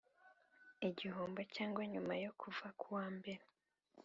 igihombo cyangwa nyuma yo kuva kuwambere